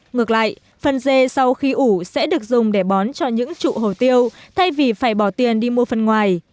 ngược lại phần dê sau khi ủ sẽ được dùng để bón cho những trụ hồ tiêu thay vì phải bỏ tiền đi mua phần ngoài